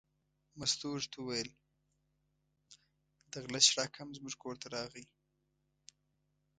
مستو ورته وویل: د غله شړک هم زموږ کور ته راغی.